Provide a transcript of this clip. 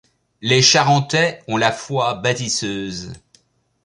Les Charentais ont la foi bâtisseuse.